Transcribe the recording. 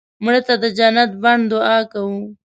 مړه ته د جنت بڼ دعا کوو